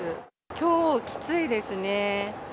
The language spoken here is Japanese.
きょう、きついですね。